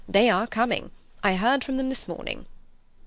They are coming. I heard from them this morning.